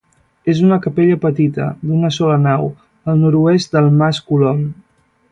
És una capella petita, d'una sola nau, al nord-oest del mas Colom.